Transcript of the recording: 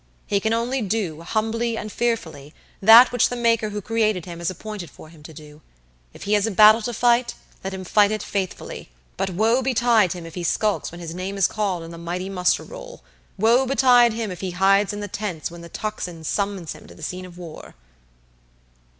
He can only do, humbly and fearfully, that which the Maker who created him has appointed for him to do. If he has a battle to fight, let him fight it faithfully; but woe betide him if he skulks when his name is called in the mighty muster roll, woe betide him if he hides in the tents when the tocsin summons him to the scene of war!"